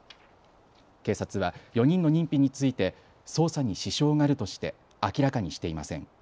警察は４人の認否について捜査に支障があるとして明らかにしていません。